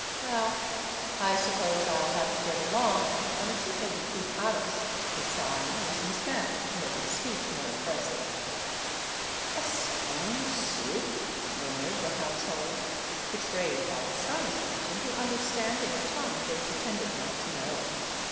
" Well, I suppose I '11 have to get along on a chupe de guijarros," he sighed, using Spanish to make his speech more impressive. '' A stone soup !" murmured the household, betrayed by astonish ment into understanding a tongue they pretended not to know.